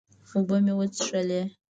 اوبۀ مې وڅښلې